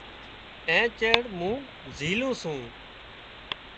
اين چيڙ مُون زِيلُون سُون۔